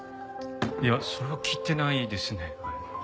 いやそれは聞いてないですね。